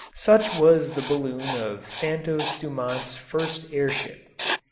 Such was the balloon of Santos Dumont's first air ship.